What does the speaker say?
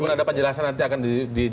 walaupun ada penjelasan nanti akan diberikan